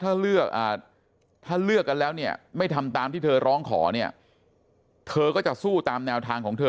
ถ้าเลือกถ้าเลือกกันแล้วเนี่ยไม่ทำตามที่เธอร้องขอเนี่ยเธอก็จะสู้ตามแนวทางของเธอ